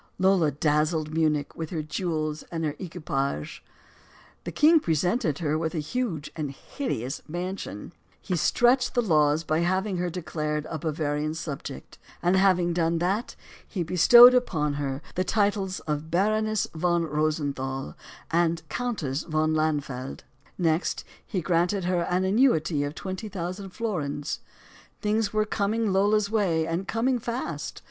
Lola dazzled Munich with her jewels and her equipages. The king presented her with a huge and hideous mansion. He stretched the laws by having her declared a Bavarian subject. And, having done that, he bestowed upon her the titles of LOLA MONTEZ 13 "Baroness von Rosenthal and Countess von Landfeld." Next, he granted her an annuity of twenty thousand florins. Things were coming Lola's way, and corning fast.